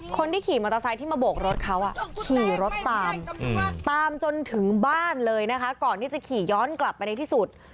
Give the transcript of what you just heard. คนที่ขี่มอเตอร์ไซค์ที่มาโบกรถเขาขี่รถตามตามจนถึงบ้านเลยนะคะก่อนที่จะขี่ย้อนกลับไปในที่สุด